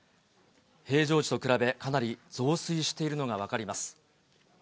平常時と比べ、かなり増水しているのが分かります。